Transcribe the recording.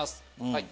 はい。